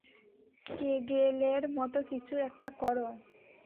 কেগেলের মতো কিছু একটা করো!